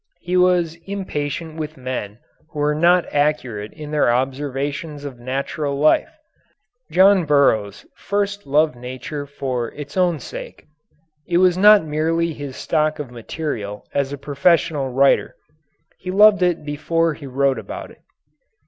He was impatient with men who were not accurate in their observations of natural life. John Burroughs first loved nature for its own sake; it was not merely his stock of material as a professional writer. He loved it before he wrote about it.